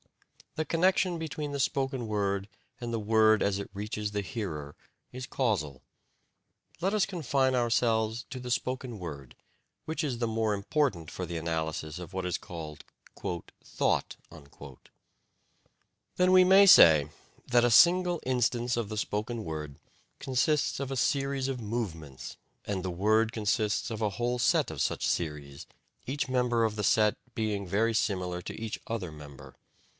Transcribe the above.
The connection between the spoken word and the word as it reaches the hearer is causal. Let us confine ourselves to the spoken word, which is the more important for the analysis of what is called "thought." Then we may say that a single instance of the spoken word consists of a series of movements, and the word consists of a whole set of such series, each member of the set being very similar to each other member.